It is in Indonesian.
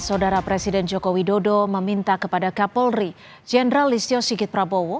saudara presiden jokowi dodo meminta kepada kapolri generalistio sigit prabowo